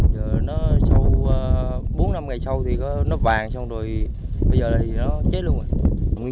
giờ nó sau bốn năm ngày sau thì nó vàng xong rồi bây giờ thì nó chết luôn rồi